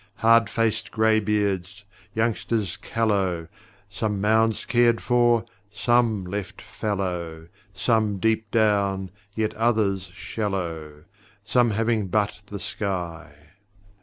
Hard faced greybeards, youngsters caflow; Some mounds cared for, some left fallow; Some deep down, yet others shallow. Some having but the sky.